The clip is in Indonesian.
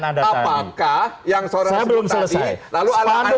apakah yang seorang sebut tadi